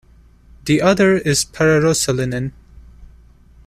The other is pararosaniline.